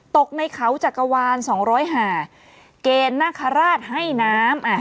ตกในเขาจักรวาล๒๐๐หาเกณฑ์นาคาราชให้น้ำ